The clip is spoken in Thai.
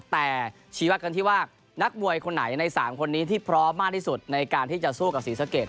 แต่ชีวะกันที่ว่านักมวยคนไหนใน๓คนนี้ที่พร้อมมากที่สุดในการที่จะสู้กับศรีสะเกด